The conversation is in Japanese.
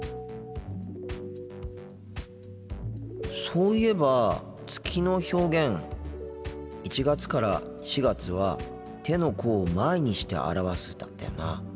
そういえば月の表現１月から４月は「手の甲を前にして表す」だったよな。